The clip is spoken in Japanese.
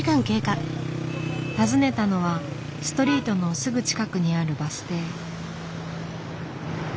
訪ねたのはストリートのすぐ近くにあるバス停。